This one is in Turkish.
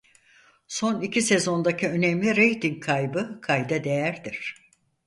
Son iki sezondaki önemli reyting kaybı kayda değerdir: